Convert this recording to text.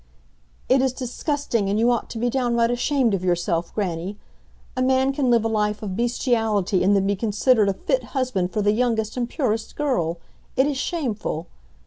"It is disgusting, and you ought to be downright ashamed of yourself, grannie! A man can live a life of bestiality and then be considered a fit husband for the youngest and purest girl! It is shameful!